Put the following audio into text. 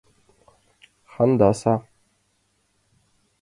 Хандаса.